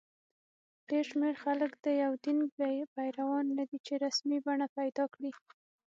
ډېر شمېر خلک د یو دین پیروان نه دي چې رسمي بڼه پیدا کړي.